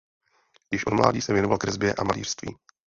Již od mládí se věnoval kresbě a malířství.